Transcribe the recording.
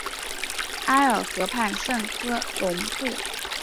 埃尔河畔圣科隆布。